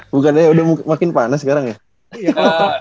bukannya udah makin panas sekarang ya